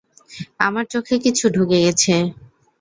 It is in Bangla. আমার চোখে কিছু ঢুকে গেছে।